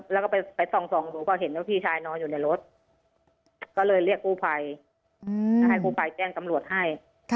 แล้วก็ไปส่องดูก็เห็นว่าพี่ชายนอนอยู่ในรถก็เลยเรียกกู้ภัยก็ให้กู้ภัยแจ้งตำรวจให้